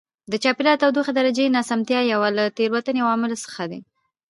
د چاپېریال د تودوخې درجې ناسمتیا یو له تېروتنې عواملو څخه دی.